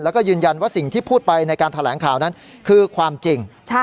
แล้วก็ยืนยันว่าสิ่งที่พูดไปในการแถลงข่าวนั้นคือความจริง